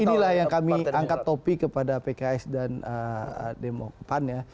inilah yang kami angkat topi kepada pks dan pan ya